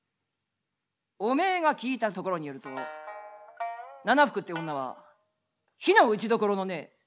お前が聞いたところによると奈々福っていう女は非の打ちどころのねえ